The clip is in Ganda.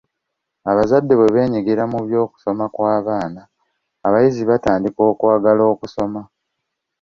Abazadde bwe beenyigira mu by'okusoma kw'abaana, abayizi batandika okwagala okusoma.